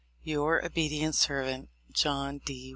"Your obedient servant, "John D.